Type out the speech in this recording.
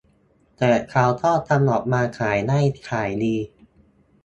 แต่เค้าก็ทำออกมาขายได้ขายดี